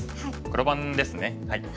黒番ですね。